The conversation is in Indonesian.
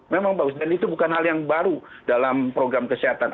memang bagus dan itu bukan hal yang baru dalam program kesehatan